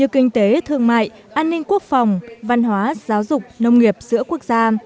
kinh tế thương mại an ninh quốc phòng văn hóa giáo dục nông nghiệp giữa quốc gia